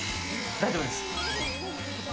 大丈夫です。